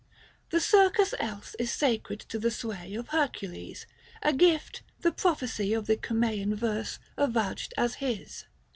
The circus else is sacred to the sway Of Hercules — a gift, the prophecy Of the Cumsean verse avouched as his.